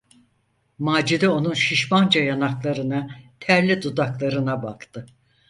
Macide onun şişmanca yanaklarına, terli dudaklarına baktı.